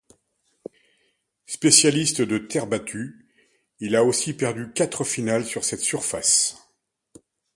Spécialiste de terre battue, il a aussi perdu quatre finales sur cette surface.